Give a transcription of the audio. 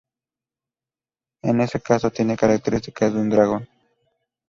En su caso, tiene características de un dragón.